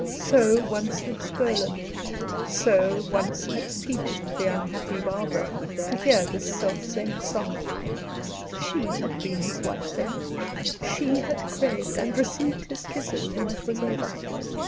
So once had stolen, so once had peeped the unhappy Barbara, to hear this selfsame song. She had been his wife then; she had craved, and received his kisses when it was over.